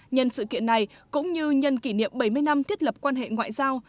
nhân sự kiện này cũng như nhân kỷ niệm bảy mươi năm thiết lập quan hệ ngoại giao